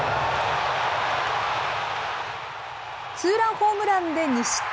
ツーランホームランで２失点。